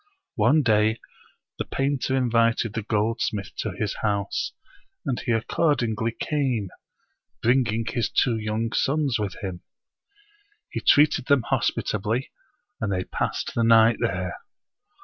One day the painter invited the goldsmith to his house ; and he accordingly came, bringing his two young sons with him. He treated them hospitably, and they passed the night there.